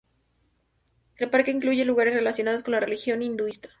El parque incluye lugares relacionados con la religión hinduista.